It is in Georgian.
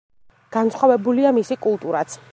განსხვავებულია მისი კულტურაც.